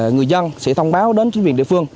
người dân sẽ thông báo đến chính quyền địa phương